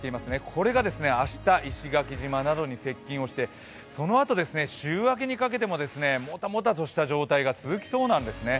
これが明日、石垣島などに接近をしてそのあと週明けにかけてももたもたとした状態が続きそうなんですね。